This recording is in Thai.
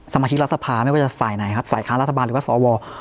สมาชิกรัฐสภาไม่ว่าจะฝ่ายไหนครับฝ่ายค้ารัฐบาลหรือว่าสว